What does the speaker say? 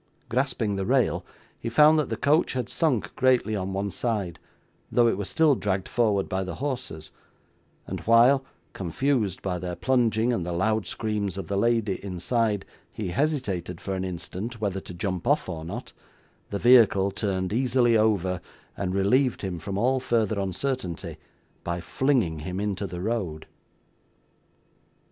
Grasping the rail, he found that the coach had sunk greatly on one side, though it was still dragged forward by the horses; and while confused by their plunging and the loud screams of the lady inside he hesitated, for an instant, whether to jump off or not, the vehicle turned easily over, and relieved him from all further uncertainty by flinging him into the road.